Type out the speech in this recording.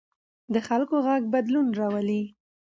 د خلکو غږ بدلون راولي